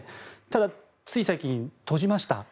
ただ、つい最近、閉じました。